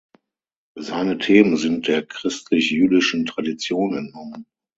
Seine Themen sind der christlich-jüdischen Tradition entnommen.